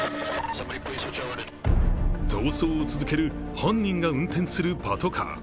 逃走を続ける犯人が運転するパトカー。